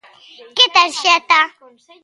¿Que tarxeta?